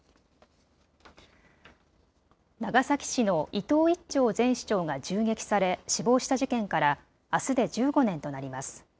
長崎市の伊藤一長前市長が銃撃され死亡した事件からあすで１５年となります。